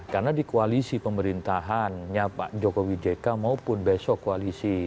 karena di koalisi pemerintahannya pak jokowi jk maupun besok koalisi jokowi jk